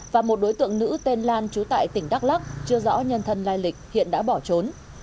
và một đối tượng nữ tên lan chú tại tỉnh đắk lắc chưa rõ nhân thân lai lịch hiện đã bỏ trốn